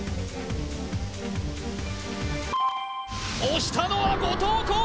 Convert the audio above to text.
押したのは後藤弘